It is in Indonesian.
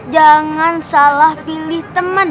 jangan salah pilih teman